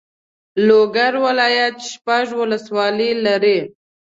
لوګر ولایت شپږ والسوالۍ لري.